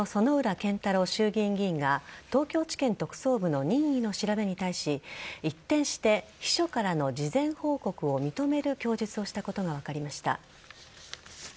健太郎衆議院議員が東京地検特捜部の任意の調べに対し一転して秘書からの事前報告を認める供述をしたことが分かりました。